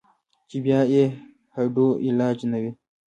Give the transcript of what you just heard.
چې بيا ئې هډو علاج نۀ وي -